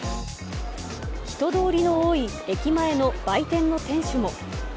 人通りの多い駅前の売店の店